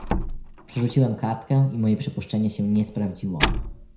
"Przerzuciłem kartkę i moje przypuszczenie się nie sprawdziło."